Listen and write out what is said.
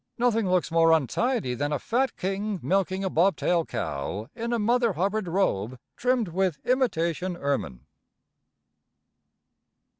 Nothing looks more untidy than a fat king milking a bobtail cow in a Mother Hubbard robe trimmed with imitation ermine.